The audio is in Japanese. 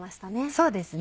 そうですね。